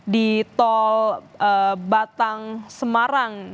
di tol batang semarang